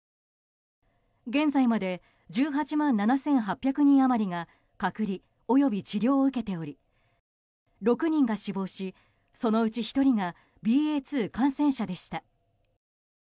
現在まで１８万７８００人余りが隔離及び治療を受けており６人が死亡し、そのうち１人がＢＡ．２感染者でした。